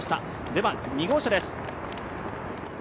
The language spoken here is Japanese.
では、２号車です。